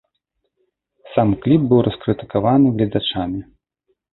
Сам кліп быў раскрытыкаваны гледачамі.